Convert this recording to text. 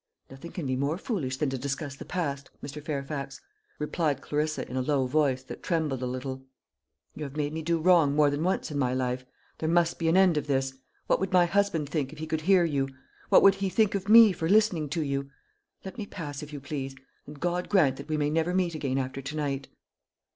"Nothing can be more foolish than to discuss the past, Mr. Fairfax," replied Clarissa, in a low voice that trembled a little. "You have made me do wrong more than once in my life. There must be an end of this. What would my husband think, if he could hear you? what would he think of me for listening to you? Let me pass, if you please; and God grant that we may never meet again after to night!"